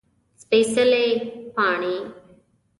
سپيڅلي پاڼې